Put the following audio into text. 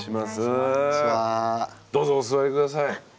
どうぞお座り下さい。